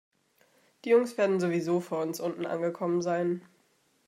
Die Jungs werden sowieso vor uns unten angekommen sein.